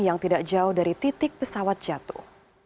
yang tidak jauh dari titik pesawat jatuh